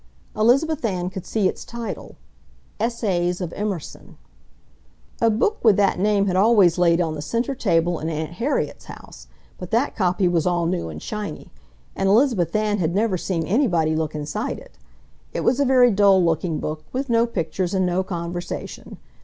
Elizabeth Ann could see its title, "Essays of Emerson." A book with that name had always laid on the center table in Aunt Harriet's house, but that copy was all new and shiny, and Elizabeth Ann had never seen anybody look inside it. It was a very dull looking book, with no pictures and no conversation.